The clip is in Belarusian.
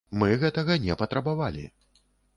Мы гэтага не патрабавалі.